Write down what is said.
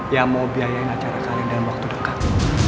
yang mau biayain acara saling dalam waktu dekat